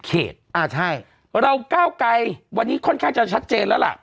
เขตอ่าใช่เราก้าวไกรวันนี้ค่อนข้างจะชัดเจนแล้วล่ะ